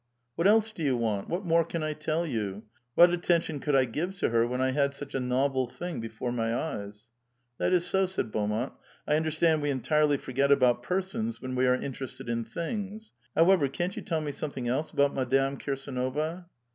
'' What else do yon want? What more can I tell you? What attention could I give to her when 1 had such a novel thing before my eyes ?"That is so," said Beaumont ;'* I underatand we entirely foi^et about pereons when we are interested in things ; how ever, can't yon tell me something else alK>ut Madame Kir sAnova?"